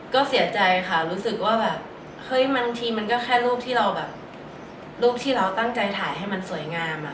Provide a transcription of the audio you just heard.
ก็เสียใจค่ะรู้สึกว่าแบบเฮ้ยบางทีมันก็แค่รูปที่เราแบบรูปที่เราตั้งใจถ่ายให้มันสวยงามอะ